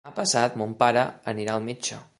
Demà passat mon pare anirà al metge.